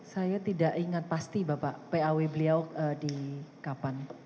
saya tidak ingat pasti bapak paw beliau di kapan